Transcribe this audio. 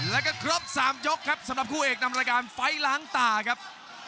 แล้วก็ครบ๓ยกครับสำหรับคู่เอกนำรายการไฟล์ล้างตาครับ